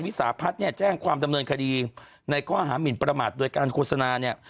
สาพัฒน์เนี่ยแจ้งความดำเนินคดีในข้อหามินประมาทโดยการโฆษณาเนี่ย